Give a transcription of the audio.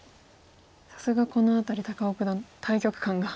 さすがこの辺り高尾九段大局観が。